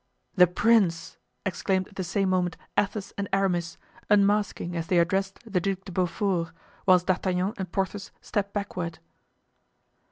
"The prince!" exclaimed at the same moment Athos and Aramis, unmasking as they addressed the Duc de Beaufort, whilst D'Artagnan and Porthos stepped backward.